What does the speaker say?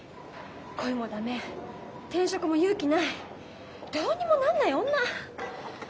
恋も駄目転職も勇気ないどうにもなんない女。